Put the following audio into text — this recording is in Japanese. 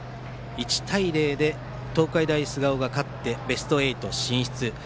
１対０で東海大菅生が勝ってベスト８進出。